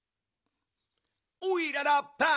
「おいらラッパー！